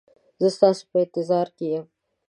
زه ستاسو په انتظار کې یم